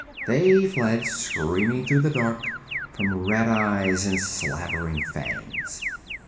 They fled screaming through the dark from red eyes and slavering fangs.